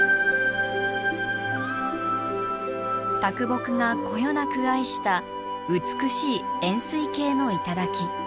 啄木がこよなく愛した美しい円すい形の頂。